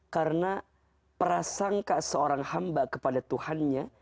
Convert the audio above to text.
karena prasangka seorang hamba kepada tuhannya